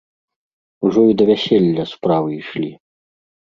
Ужо і да вяселля справы ішлі.